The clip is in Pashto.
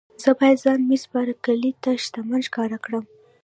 زه باید ځان مېس بارکلي ته شتمن ښکاره کړم.